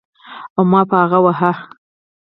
او ما به هغه واهه.